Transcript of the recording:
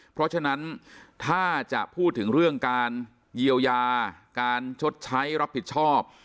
เพราะฉะนั้นถ้าจะพูดถึงเรื่องการเยียวยาการชดใช้รับผิดชอบ